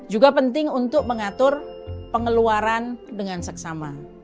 juga penting untuk mengatur pengeluaran dengan seksama